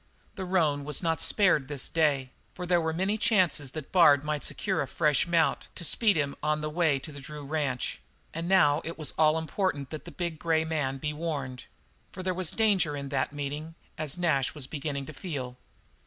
The roan was not spared this day, for there were many chances that Bard might secure a fresh mount to speed him on the way to the Drew ranch, and now it was all important that the big grey man be warned; for there was a danger in that meeting, as Nash was beginning to feel.